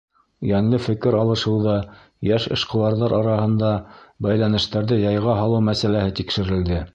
Йәнле фекер алышыуҙа йәш эшҡыуарҙар араһында бәйләнештәрҙе яйға һалыу мәсьәләһе тикшерелде.